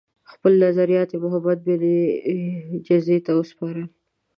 خپل خاطرات یې محمدبن جزي ته وسپارل.